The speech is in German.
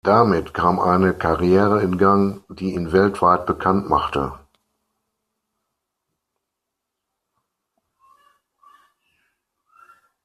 Damit kam eine Karriere in Gang, die ihn weltweit bekannt machte.